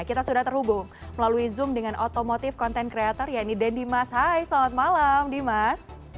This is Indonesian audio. kita sudah terhubung melalui zoom dengan otomotif konten kreator ya ini den dimas hai selamat malam dimas